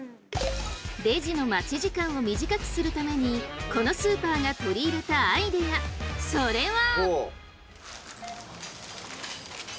レジの待ち時間を短くするためにこのスーパーが取り入れたアイデアそれは。